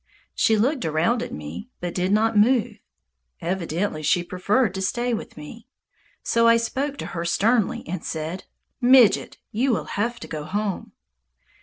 She looked around at me, but did not move. Evidently she preferred to stay with me. So I spoke to her sternly and said, "Midget, you will have to go home!"